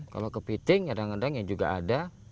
kalau ke piting kadang kadang yang juga ada